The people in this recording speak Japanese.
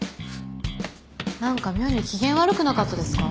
何か妙に機嫌悪くなかったですか？